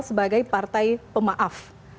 sebagai partai pemaaf